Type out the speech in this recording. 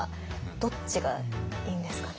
どっちがいいんですかね？